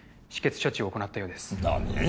処置を行ったようです何？